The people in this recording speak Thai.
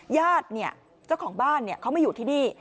ญาติเนี่ยเจ้าของบ้านเขามาอยู่ที่นี่